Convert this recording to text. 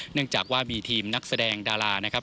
เนื่องจากว่ามีทีมนักแสดงดารานะครับ